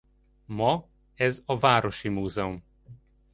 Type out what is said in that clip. Ma ez a Városi Múzeum.